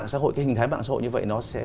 cái hình thái mạng xã hội như vậy nó sẽ